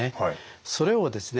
それをですね